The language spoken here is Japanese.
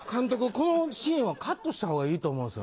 このシーンはカットした方がいいと思うんですよ。